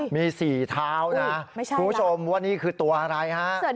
มีสีเท้าคุณผู้ชมวันนี้คือตัวอะไร